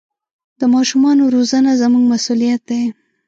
د ماشومانو روزنه زموږ مسوولیت دی.